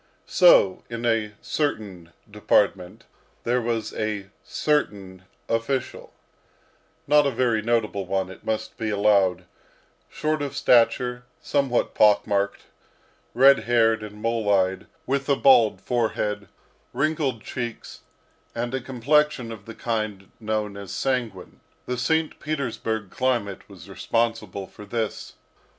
So, in a certain department there was a certain official not a very notable one, it must be allowed short of stature, somewhat pock marked, red haired, and mole eyed, with a bald forehead, wrinkled cheeks, and a complexion of the kind known as sanguine. The St. Petersburg climate was responsible for this.